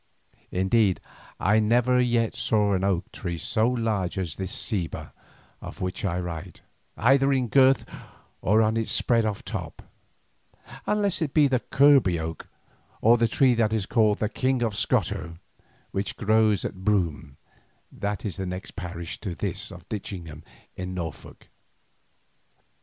Indeed I never yet saw an oak tree so large as this ceiba of which I write, either in girth or in its spread of top, unless it be the Kirby oak or the tree that is called the "King of Scoto" which grows at Broome, that is the next parish to this of Ditchingham in Norfolk.